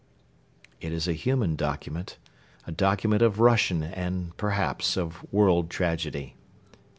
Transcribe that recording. '" It is a human document, a document of Russian and, perhaps, of world tragedy.